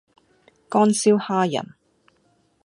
乾燒蝦仁